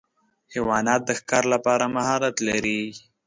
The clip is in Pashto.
حیوانات د ښکار لپاره مهارت لري.